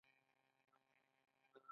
څوک یې د ښخولو په فکر کې نه دي.